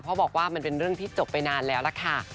เพราะบอกว่ามันเป็นเรื่องที่จบไปนานแล้วล่ะค่ะ